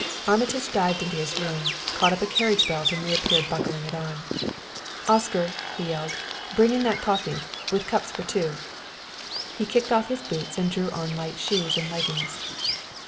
Armitage dived into his room, caught up a cartridge belt and reappeared buckling it on. "Oscar!" he yelled, "bring in that coffee with cups for two." He kicked off his boots and drew on light shoes and leggings.